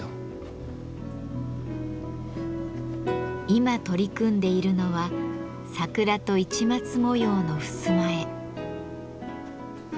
今取り組んでいるのは桜と市松模様のふすま絵。